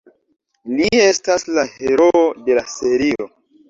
Li estas la heroo de la serio.